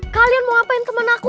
kalian mau ngapain temen aku